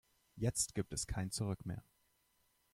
Jetzt gibt es kein Zurück mehr.